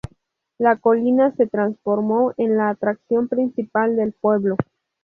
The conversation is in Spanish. La colina se transformó en la atracción principal del pueblo.